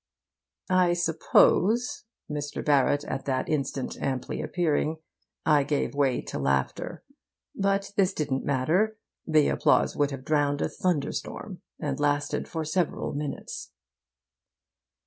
I suppose (Mr. Barrett at that instant amply appearing) I gave way to laughter; but this didn't matter; the applause would have drowned a thunderstorm, and lasted for several minutes.